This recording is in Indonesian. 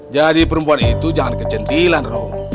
jadi perempuan itu jangan kecentilan rom